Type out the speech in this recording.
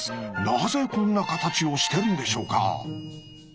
なぜこんな形をしてるんでしょうか。